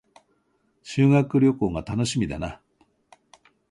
修学旅行が楽しみだな